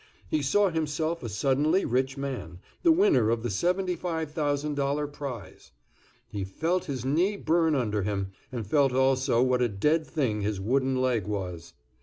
He saw himself a suddenly rich man, the winner of the seventy five thousand dollar prize. He felt his knee burn under him, and felt also what a dead thing his wooden leg was.